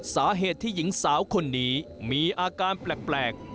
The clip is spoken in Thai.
สาเหตุที่หญิงสาวคนนี้มีอาการแปลก